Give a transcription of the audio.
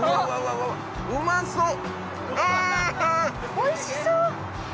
おいしそう！